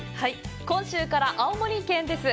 今週から青森県です。